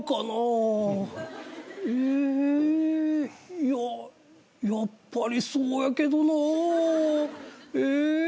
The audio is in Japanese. いややっぱりそうやけどなぁ。え？